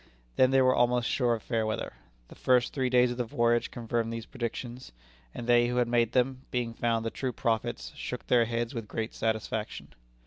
Then they were almost sure of fair weather. The first three days of the voyage confirmed these predictions, and they who had made them, being found true prophets, shook their heads with great satisfaction.